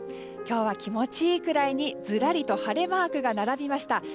今日は気持ちいいくらいにずらりと晴れマークが並びました。